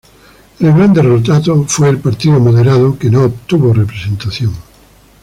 El gran derrotado fue el Partido Moderado que no obtuvo representación.